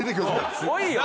すごいよね。